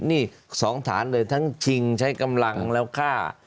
นี่๒ฐานเลยทั้งชิงใช้กำลังแล้วฆ่า